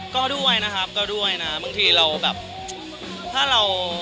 ก็ด้วยนะครับก็ด้วยนะบางทีเราแบบถ้าเรา